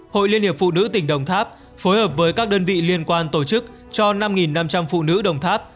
hội liên hiệp phụ nữ tỉnh đồng tháp phối hợp với các đơn vị liên quan tổ chức cho năm năm trăm linh phụ nữ đồng tháp